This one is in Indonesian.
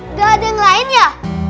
udah ada yang lain ya